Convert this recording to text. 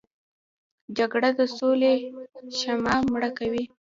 جګړه د سولې شمعه مړه کوي